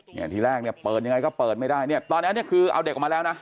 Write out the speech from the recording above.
เนี่ยทีแรกเนี่ยเปิดยังไงก็เปิดไม่ได้เนี่ยตอนนั้นเนี่ยคือเอาเด็กออกมาแล้วนะ